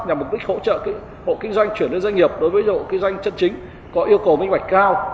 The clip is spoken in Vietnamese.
nhằm mục đích hỗ trợ hộ kinh doanh chuyển lên doanh nghiệp đối với hộ kinh doanh chân chính có yêu cầu minh bạch cao